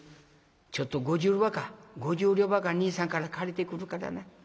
ちょっと５０両ばかり兄さんから借りてくるからな。